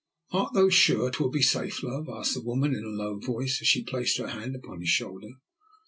"Art thou sure 'twill be safe, love?" asked the woman in a low voice, as she placed her hand upon his shoulder.